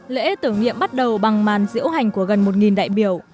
lễ tưởng nghiệm bắt đầu bằng màn diễu hành của gần một đại biểu